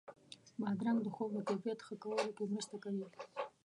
بادرنګ د خوب د کیفیت ښه کولو کې مرسته کوي.